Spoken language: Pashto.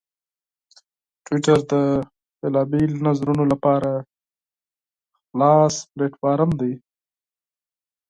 ټویټر د مختلفو نظرونو لپاره خلاص پلیټفارم دی.